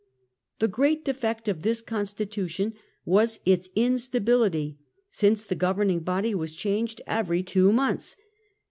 The great defect of this constitution was its instability, since the governing body was changed every two months.